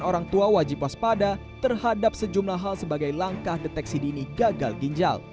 orang tua wajib waspada terhadap sejumlah hal sebagai langkah deteksi dini gagal ginjal